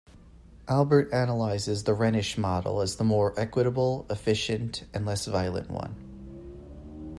Albert analyzes the Rhenish model as the more equitable, efficient, and less violent one.